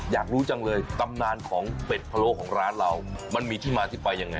อยากรู้จังเลยตำนานของเป็ดพะโล้ของร้านเรามันมีที่มาที่ไปยังไง